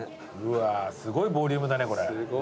うわすごいボリュームだねこれ。